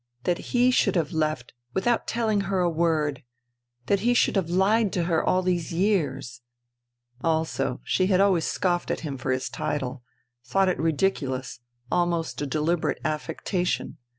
That he should have left without telling her a word I That he should have lied to her all these years ! Also she had always scoffed at him for his title, thought it ridiculous, almost a deliberate affectation.